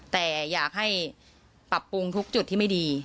แต่อยากให้ปรับปรุงทุกจุดที่ไม่ดี